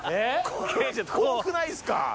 遠くないっすか？